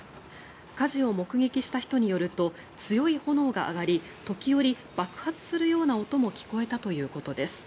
火事を目撃した人によると強い炎が上がり時折、爆発するような音も聞こえたということです。